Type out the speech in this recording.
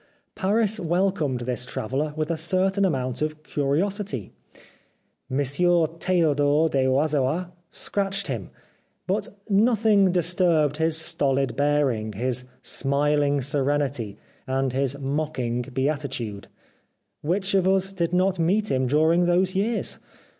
Paris welcomed this traveller with a certain amount of curiosity. M. Hugues Le Roux praised him, M. Teodor de Wyzewa scratched him, but no thing disturbed his stolid bearing, his smiling serenity, and his mocking beatitude. Which of us did not meet him during those years